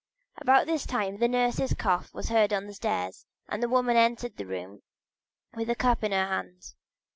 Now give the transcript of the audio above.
About this time the nurse's cough was heard on the stairs and the woman entered the room with a cup in her hand.